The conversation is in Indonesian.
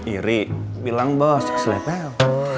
iri bilang bos selevel